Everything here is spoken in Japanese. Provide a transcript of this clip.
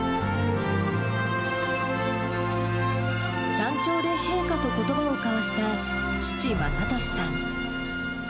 山頂で陛下とことばを交わした父、正利さん。